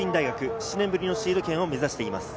７年ぶりのシード権を目指しています。